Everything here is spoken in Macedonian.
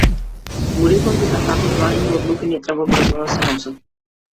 Му реков дека такви важни одлуки не треба брзо да се носат.